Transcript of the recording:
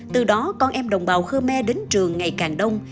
từ đó con em đồng bào khơ me đến trường ngày càng đông